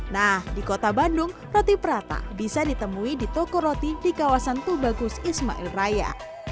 nah di kota bandung roti prata bisa ditemui di toko roti di kawasan tubagus ismail raya